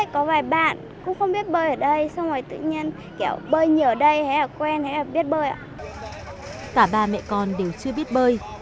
cả ba mẹ con đều chưa biết bơi